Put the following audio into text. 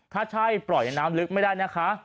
ถ้าใช่ปล่อยในน้ำลึกไม่ได้นะคะ